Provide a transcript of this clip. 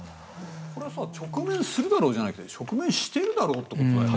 これは直面するだろうじゃなくて直面してるということだよね？